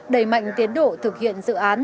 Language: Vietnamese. đầy mạnh tiến độ thực hiện dự án